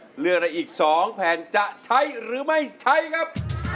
มีโอกาสเลือกอะไรอีก๒แผนจะใช้หรือไม่ใช้ครับ